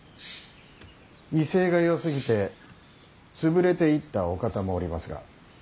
威勢がよすぎて潰れていったお方もおりますが。